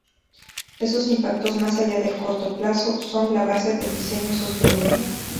Esos impactos más allá del corto plazo son la base de diseño sostenible.